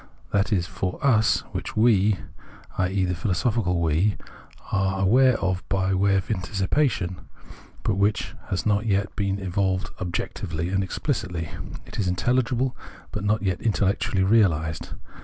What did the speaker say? That is "for us" which we (i.e. the philosophical "we") are aware of by way of anticipation, but which has not yet been evolved objec tively and explicitly ; it is intellig ible, but not yet intellectually realised.